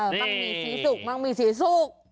เออบ้างมีสีสุก